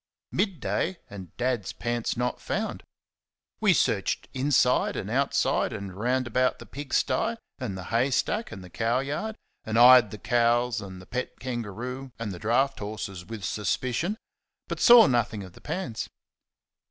Mid day, and Dad's pants not found. We searched inside and outside and round about the pig sty, and the hay stack, and the cow yard; and eyed the cows, and the pet kangaroo, and the draught horses with suspicion; but saw nothing of the pants.